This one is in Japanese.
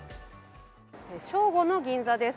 正午の銀座です。